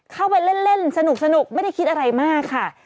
เข้าไปเล่นสนุกไม่ได้คิดอะไรมากค่ะ